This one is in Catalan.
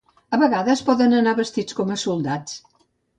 A vegades poden anar vestits com a soldats.